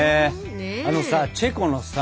あのさチェコのさ